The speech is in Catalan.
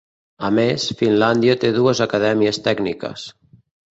A més, Finlàndia té dues acadèmies tècniques.